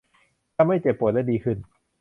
จะไม่เจ็บปวดและจะดีขึ้น